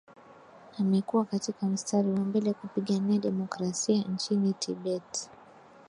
amekuwa katika mstari wa mbele kupigania demokrasia nchini tibet